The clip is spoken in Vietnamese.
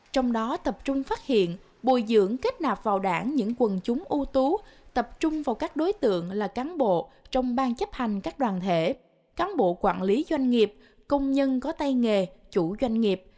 trong đó tập trung phát hiện bồi dưỡng kết nạp vào đảng những quần chúng ưu tú tập trung vào các đối tượng là cán bộ trong bang chấp hành các đoàn thể cán bộ quản lý doanh nghiệp công nhân có tay nghề chủ doanh nghiệp